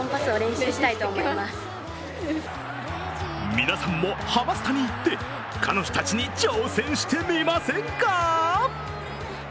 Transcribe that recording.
皆さんもハマスタに行って彼女たちに挑戦してみませんか？